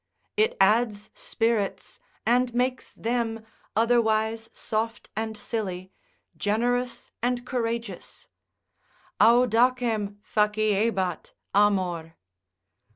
It adds spirits and makes them, otherwise soft and silly, generous and courageous, Audacem faciebat amor.